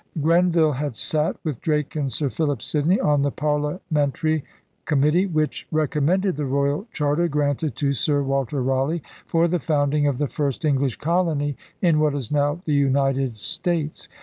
Grenville had sat, with Drake and Sir Philip Sidney, on the Parliamentary committee which recommended the royal charter granted to Sir Walter Raleigh for the founding of the first English colony in what is now the United States.